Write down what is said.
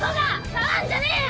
触んじゃねえよ！